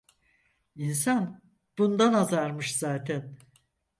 İnsan bundan azarmış zaten.